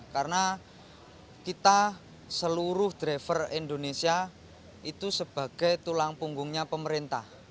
karena kita seluruh driver indonesia itu sebagai tulang punggungnya pemerintah